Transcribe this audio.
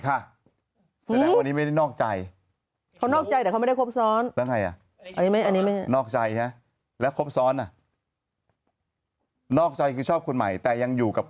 ก็มีไปเรื่อยแหละ